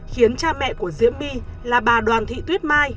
khiến cha mẹ của diễm my là bà đoàn thị tuyết mai